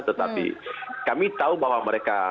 tetapi kami tahu bahwa mereka